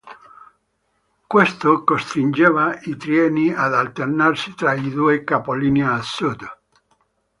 Questo costringeva i treni ad alternarsi tra i due capolinea sud.